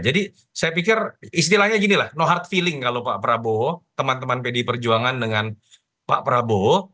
jadi saya pikir istilahnya ginilah no hard feeling kalau pak prabowo teman teman pdi perjuangan dengan pak prabowo